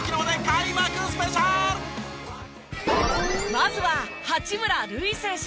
まずは八村塁選手。